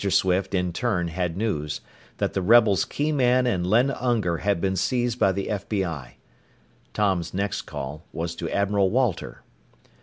Swift, in turn, had news that the rebels' key man and Len Unger had been seized by the FBI. Tom's next call was to Admiral Walter.